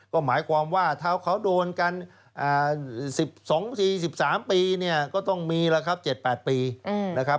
ก็หมายความว่าถ้าเขาโดนกัน๑๒ปี๑๓ปีเนี่ยก็ต้องมีแล้วครับ๗๘ปีนะครับ